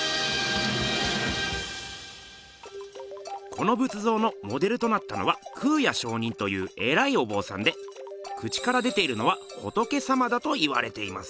この仏像のモデルとなったのは空也上人というえらいおぼうさんで口から出ているのは仏様だといわれています。